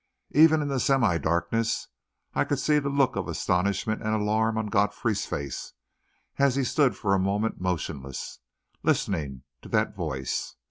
Even in the semi darkness, I could see the look of astonishment and alarm on Godfrey's face, as he stood for a moment motionless, listening to that voice.